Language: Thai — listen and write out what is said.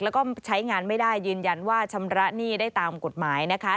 แล้วก็ใช้งานไม่ได้ยืนยันว่าชำระหนี้ได้ตามกฎหมายนะคะ